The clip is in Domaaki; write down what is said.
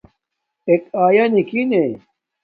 اݵکݺ اݵیݳ نِکِن نݺ؟